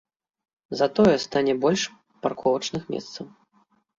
Затое стане больш парковачных месцаў.